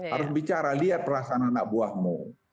harus bicara lihat perasaan anak buahmu